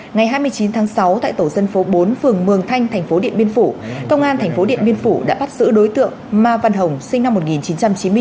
ngày hai mươi chín tháng sáu tại tổ dân phố bốn phường mường thanh tp điện biên phủ công an thành phố điện biên phủ đã bắt giữ đối tượng ma văn hồng sinh năm một nghìn chín trăm chín mươi bốn